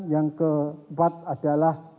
yang keempat adalah